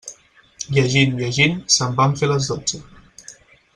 Llegint, llegint, se'm van fer les dotze.